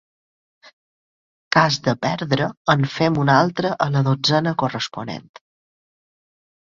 Cas de perdre, en fem una altra a la dotzena corresponent.